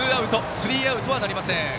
スリーアウトにはなりません。